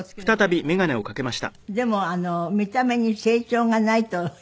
でも見た目に成長がないと言われて。